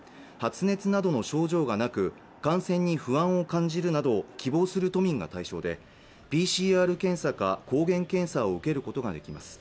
発熱などの症状がなく感染に不安を感じるなど希望する都民が対象でＰＣＲ検査か抗原検査を受けることができます